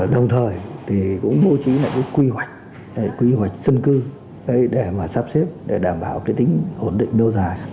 đồng thời thì cũng bố trí lại cái quy hoạch quy hoạch dân cư để mà sắp xếp để đảm bảo cái tính ổn định lâu dài